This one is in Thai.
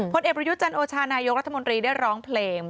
ผลเอกประยุทธ์จันโอชานายกรัฐมนตรีได้ร้องเพลง